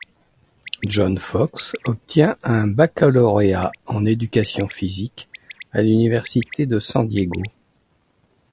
John Fox obtient un baccalauréat en éducation physique à l'Université de San Diego.